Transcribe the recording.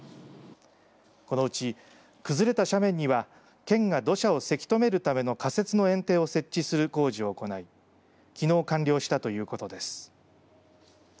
このうち崩れた斜面には県が土砂をせき止めるための仮設のえん堤を設置する工事を行い、きのう完了したということです。